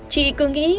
chị cứ nghĩ